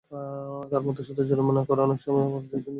তাঁর মতে, শুধু জরিমানা করে অনেক সময় অপরাধীকে নিবৃত্ত করা যায় না।